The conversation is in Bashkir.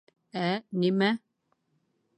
— Ә нимә?